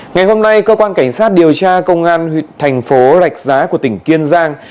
ngày hôm nay cơ quan cảnh sát điều tra công an huyện thành phố rạch giá của tỉnh kiên giang